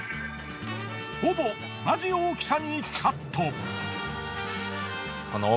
ほぼ同じ大きさにカット。